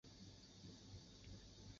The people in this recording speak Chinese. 用户常常有需要去进行剪下和贴上。